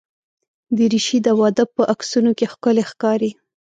دریشي د واده په عکسونو کې ښکلي ښکاري.